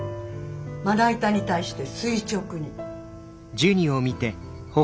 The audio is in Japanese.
まな板に対して垂直に。